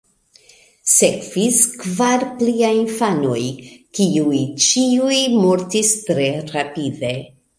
Sekvis kvar pliaj infanoj, kiuj ĉiuj mortis tre rapide.